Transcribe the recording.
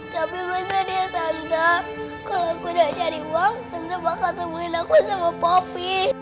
tapi bentar ya tante kalo aku gak cari uang tante bakal temuin aku sama popi